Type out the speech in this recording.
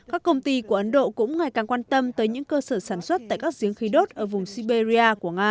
các công ty của ấn độ cũng ngày càng quan tâm tới những cơ sở sản xuất tại các giếng khí đốt ở vùng siberia của nga